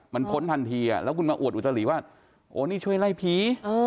มันพ้นทันทีแล้วคุณมาอวดอุตลิว่าโอ้นี่ช่วยไล่ผี